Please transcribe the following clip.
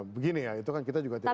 begini ya itu kan kita juga tidak